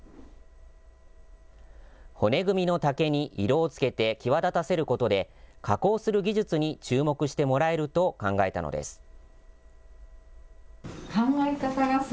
骨組みの竹に色をつけて際立たせることで、加工する技術に注目してもらえると考えたのです。